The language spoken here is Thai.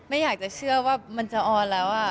ไม่อยากจะเชื่อว่ามันจะออนแล้ว